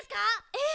ええ。